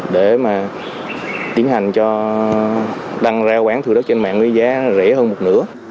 để mà tiến hành cho đăng ra quán thừa đất trên mạng với giá rẻ hơn một nửa